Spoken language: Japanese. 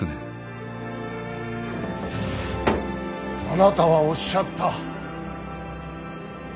あなたはおっしゃった。